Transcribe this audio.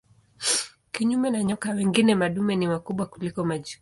Kinyume na nyoka wengine madume ni wakubwa kuliko majike.